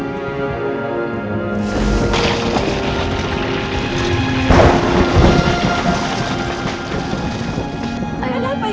kebenaran yang sesungguhnya